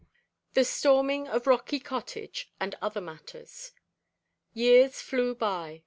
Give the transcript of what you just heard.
THE STORMING OF ROCKY COTTAGE AND OTHER MATTERS. Years flew by.